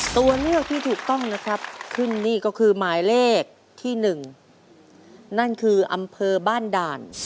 ตัวเลือกที่ถูกต้องนะครับขึ้นนี่ก็คือหมายเลขที่๑นั่นคืออำเภอบ้านด่าน